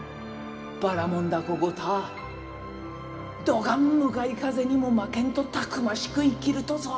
ばらもん凧ごたぁどがん向かい風にも負けんとたくましく生きるとぞ。